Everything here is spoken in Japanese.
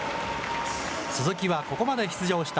鈴木はここまで出場した